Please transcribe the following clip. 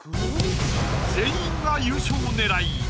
全員が優勝狙い。